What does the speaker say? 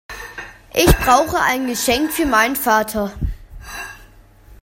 Ich brauche ein Geschenk für meinen Vater.